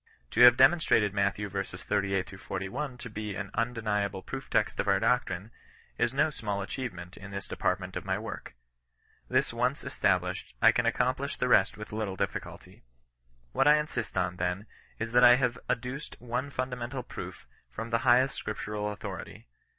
To have demonstrated Matt. v. 38 — 41 to be an un deniable proof text of our doctrine is no small achieve ment in this department of my work. This once esta blished, I can accomplish the rest with little difficulty. What I insist on, then, is, that I have adduced one fun damental proof from the highest scripture authority.